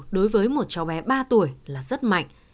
đối với một cháu bé ba tuổi là rất mạnh